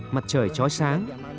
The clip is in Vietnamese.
mặt trời trói sáng